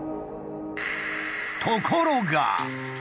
ところが。